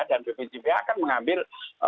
dan bpcpa akan mengambil